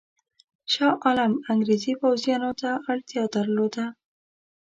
شاه عالم انګرېزي پوځیانو ته اړتیا درلوده.